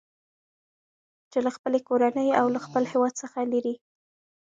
چې له خپلې کورنۍ او له خپل هیواد څخه لېرې